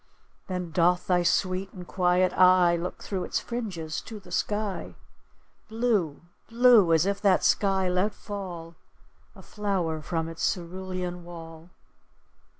Then doth thy sweet and quiet eye Look through its fringes to the sky, Blue blue as if that sky let fall A flower from its cerulean wall.